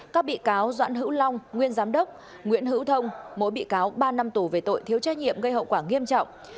các bị cáo doãn hữu long nguyên giám đốc nguyễn hữu thông mỗi bị cáo ba năm tù về tội thiếu trách nhiệm gây hậu quả nghiêm trọng